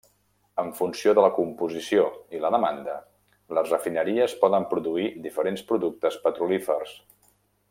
En funció de la composició i la demanda, les refineries poden produir diferents productes petrolífers.